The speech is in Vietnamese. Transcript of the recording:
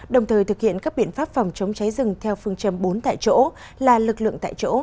đồng thời thực hiện các biện pháp phòng chống cháy rừng theo phương châm bốn tại chỗ là lực lượng tại chỗ